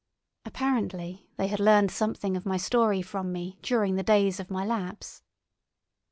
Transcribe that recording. Apparently they had learned something of my story from me during the days of my lapse.